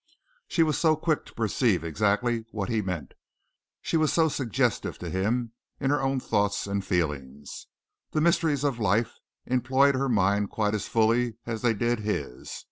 She was so quick to perceive exactly what he meant. She was so suggestive to him in her own thoughts and feelings. The mysteries of life employed her mind quite as fully as they did his.